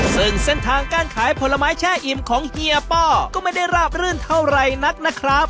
ซึ่งเส้นทางการขายผลไม้แช่อิ่มของเฮียป้อก็ไม่ได้ราบรื่นเท่าไรนักนะครับ